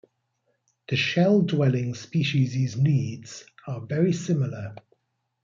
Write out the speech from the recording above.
The shell-dwelling species' needs are very similar.